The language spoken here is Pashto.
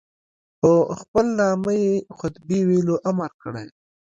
په خپل نامه یې خطبې ویلو امر کړی.